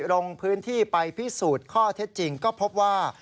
ลงพื้นที่ไปพิสูจน์ข้อเท็จจริงก็พบว่า